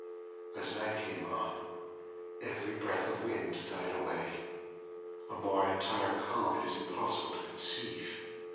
As night came on, every breath of wind died away, an more entire calm it is impossible to conceive.